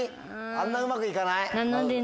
あんなうまくいかない？